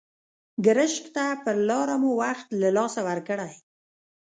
ګرشک ته پر لاره مو وخت له لاسه ورکړی.